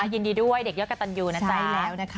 ยินดีด้วยเด็กเยอะกะตันยูนะจ๊ะ